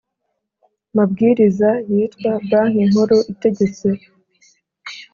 mabwiriza yitwa Banki Nkuru itegetse